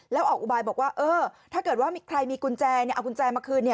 แล้วออกอุบายบอกว่าเออถ้าเกิดว่ามีใครมีกุญแจเอากุญแจมาคืน